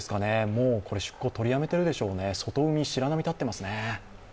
もう出航取りやめているでしょうね、外海、白波が立ってますね。